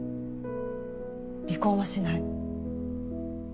離婚はしない。